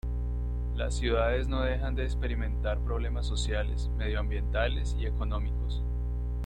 Las ciudades no dejan de experimentar problemas sociales, medioambientales y económicos.